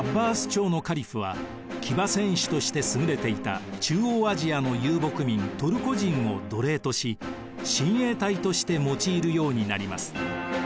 朝のカリフは騎馬戦士として優れていた中央アジアの遊牧民トルコ人を奴隷とし親衛隊として用いるようになります。